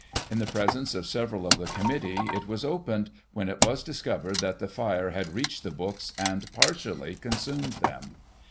In the presence of several of the Committee it was opened, when it was discovered that the fire had reached the books, and partially consumed them.